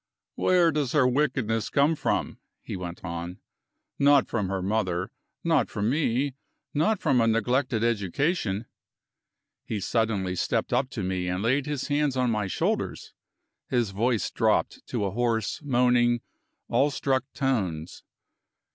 "Where does her wickedness come from?" he went on. "Not from her mother; not from me; not from a neglected education." He suddenly stepped up to me and laid his hands on my shoulders; his voice dropped to hoarse, moaning, awestruck tones.